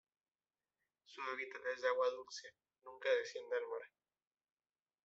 Su hábitat es de agua dulce, nunca desciende al mar.